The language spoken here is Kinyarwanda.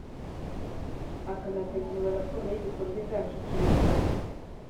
akanategura raporo y ibikorwa izashyikirizwa